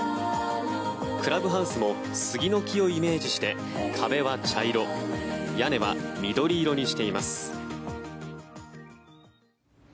クラブハウスも杉の木をイメージして壁は茶色屋根は緑色にしています。